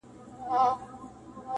• د غم سړې شپې -